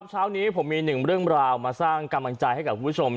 เช้านี้ผมมีหนึ่งเรื่องราวมาสร้างกำลังใจให้กับคุณผู้ชม